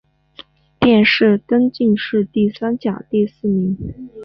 殿试登进士第三甲第四名。